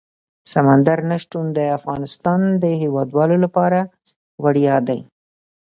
سمندر نه شتون د افغانستان د هیوادوالو لپاره ویاړ دی.